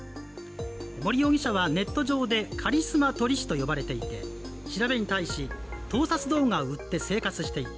森容疑者はネット上でカリスマ撮り師と呼ばれていて、調べに対し、盗撮動画を売って生活していた。